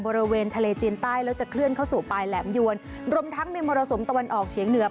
บริเวณทะเลจีนใต้แล้วจะเคลื่อนเข้าสู่ปลายแหลมยวนรวมทั้งมีมรสุมตะวันออกเฉียงเหนือ